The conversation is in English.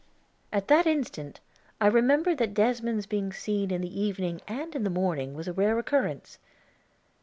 At that instant I remembered that Desmond's being seen in the evening and in the morning was a rare occurrence.